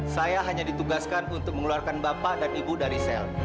saya hanya ditugaskan untuk mengeluarkan bapak dan ibu dari sel